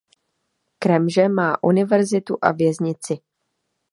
Kremže má univerzitu a věznici.